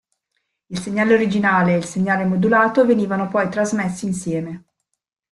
Il segnale originale e il segnale modulato venivano poi trasmessi insieme.